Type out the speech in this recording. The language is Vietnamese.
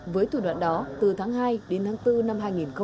với thủ đoạn đó từ tháng hai đến tháng bốn năm hai nghìn hai mươi